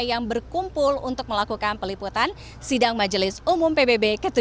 yang berkumpul untuk melakukan peliputan sidang majelis umum pbb ke tujuh belas